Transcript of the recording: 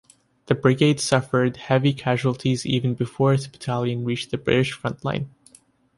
The brigade suffered heavy casualties even before its battalions reached the British front-line.